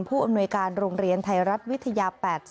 ผู้อำนวยการโรงเรียนไทยรัฐวิทยา๘๐